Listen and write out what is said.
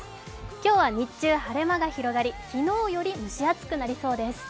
今日は日中、晴れ間が広がり昨日より蒸し暑くなりそうです。